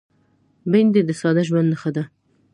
بېنډۍ د ساده ژوند نښه ده